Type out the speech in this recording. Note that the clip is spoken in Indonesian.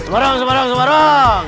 semarang semarang semarang